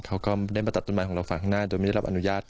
เขาก็ได้มาตัดต้นไม้ของเราฝั่งข้างหน้าโดยไม่ได้รับอนุญาต